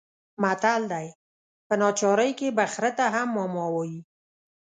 متل دی: په ناچارۍ کې به خره ته هم ماما وايې.